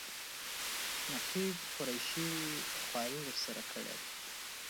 نقیب قریشي خواري ورسره کړې ده.